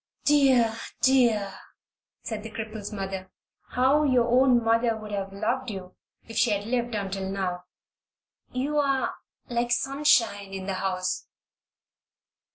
"Dear, dear!" said the cripple's mother, "how your own mother would have loved you, if she had lived until now. You are like sunshine in the house."